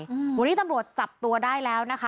วันนี้ตำรวจจับตัวได้แล้วนะคะ